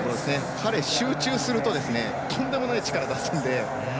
彼、集中するととんでもない力を出すので。